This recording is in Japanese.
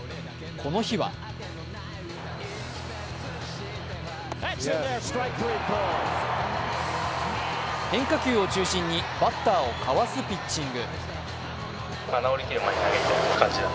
この日は変化球を中心にバッターをかわすピッチング。